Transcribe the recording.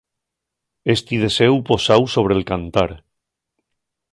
Esti deséu posáu sobre'l cantar.